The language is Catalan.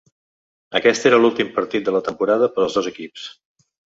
Aquest era l’últim partit de la temporada per als dos equips.